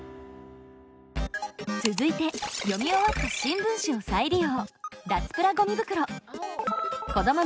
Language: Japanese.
続いて読み終わった新聞紙を再利用。